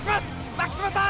巻島さん！